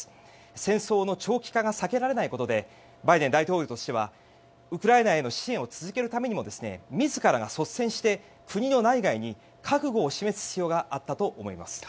戦争の長期化が避けられないことでバイデン大統領としてはウクライナへの支援を続けるためにも自らが率先して国の内外に覚悟を示す必要があったと思います。